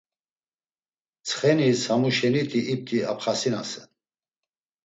Tsxenis hamuşeniti ipti apxasinasen.